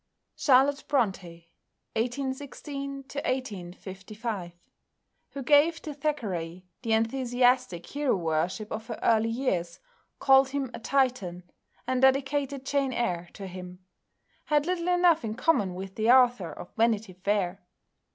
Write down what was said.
=Charlotte Brontë (1816 1855)=, who gave to Thackeray the enthusiastic hero worship of her early years, called him a Titan, and dedicated "Jane Eyre" to him, had little enough in common with the author of "Vanity Fair."